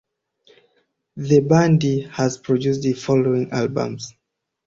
The band has produced following albums.